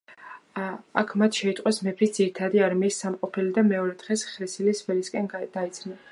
აქ მათ შეიტყვეს მეფის ძირითადი არმიის სამყოფელი და მეორე დღეს ხრესილის ველისაკენ დაიძრნენ.